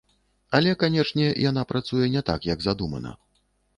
Але, канечне, яна працуе не так, як задумана.